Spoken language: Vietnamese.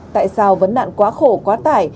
tại sao vấn nạn quá khổ quá tải